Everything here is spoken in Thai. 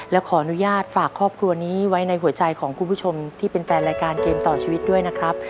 และขออนุญาตฝากครอบครัวนี้ไว้ในหัวใจของคุณผู้ชมที่เป็นแฟนรายการเกมต่อชีวิตด้วยนะครับ